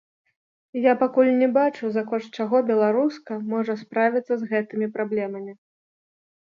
Я пакуль не бачу, за кошт чаго беларуска можа справіцца з гэтымі праблемамі.